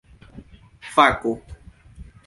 fako